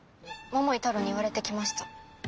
桃井タロウに言われて来ました。